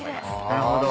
なるほど。